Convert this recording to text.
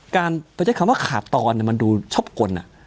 การประเศษคำว่าขาดตอนเนี่ยมันดูชอบกล